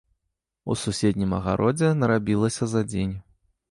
У суседнім агародзе нарабілася за дзень.